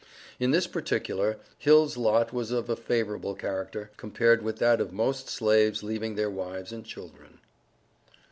In this particular, Hill's lot was of a favorable character, compared with that of most slaves leaving their wives and children.